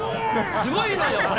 すごいのよ、これ。